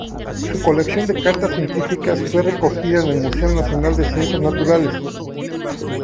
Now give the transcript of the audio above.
Su colección de cartas científicas fue recogida en el Museo Nacional de Ciencias Naturales.